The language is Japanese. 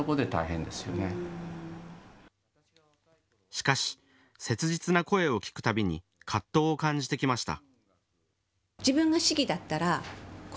しかし切実な声を聞くたびに葛藤を感じてきました。